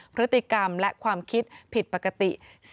พฤติกรรมและความคิดผิดปกติ